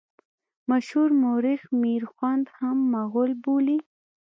مشهور مورخ میرخوند هم مغول بولي.